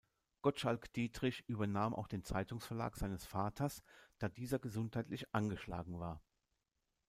Gottschalk Diedrich übernahm auch den Zeitungsverlag seines Vaters, da dieser gesundheitlich angeschlagen war.